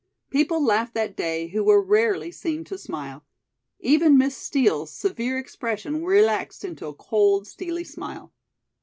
People laughed that day who were rarely seen to smile. Even Miss Steel's severe expression relaxed into a cold, steely smile.